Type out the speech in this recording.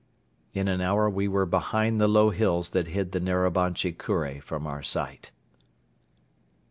In an hour we were behind the low hills that hid the Narabanchi Kure from our sight.